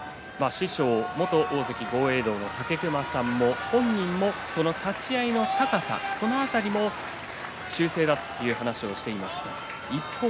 師匠の武隈さんも本人もその立ち合いの高さその辺りの修正だという話をしていました。